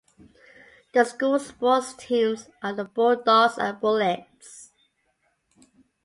The school's sports teams are the Bulldogs and Bullettes.